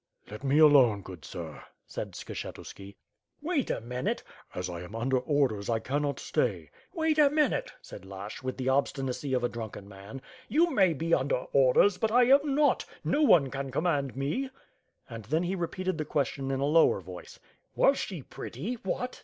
"' "Let me alone, good sir," said Skshetuski. WITH FIRE AND SWORD. ^59 '"Wait a minute/' ''As I am under orders I cannot stay/' "Wait a minute/' said Lashch, with the obstinacy of a drunken man. "You may be under orders, but I am not; no one can command me." And then he repeated the question in a lower voice: *'Was she pretty? What?"